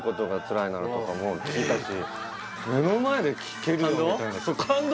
目の前で聴けるのみたいな